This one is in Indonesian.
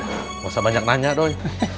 gak usah banyak nanya doi